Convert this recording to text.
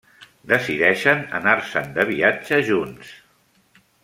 Decideixen anar-se'n de viatge junts.